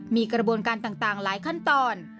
มีกระบวนการต่างหลายขั้นตอน